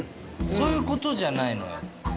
そういう事じゃないのよ。